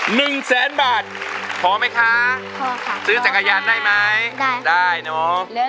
หนึ่งแสนบาทพอไหมคะพอค่ะซื้อจักรยานได้ไหมได้ได้เนอะ